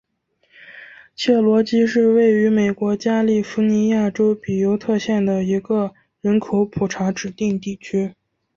切罗基是位于美国加利福尼亚州比尤特县的一个人口普查指定地区。